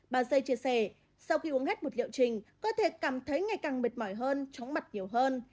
bà dây chia sẻ sau khi uống hết một liệu trình có thể cảm thấy ngày càng mệt mỏi hơn chóng mặt nhiều hơn